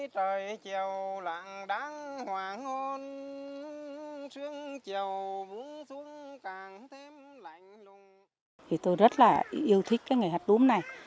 thì tôi rất là yêu thích cái nghề hạt đúm này